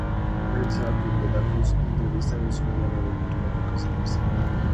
Regresaba de Badajoz, de entrevistarse con su hija María de Portugal, duquesa de Viseu.